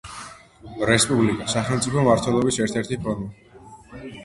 რესპუბლიკა — სახელმწიფო მმართველობის ერთ-ერთი ფორმა.